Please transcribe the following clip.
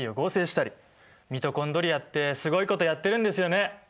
ミトコンドリアってすごいことやってるんですよね！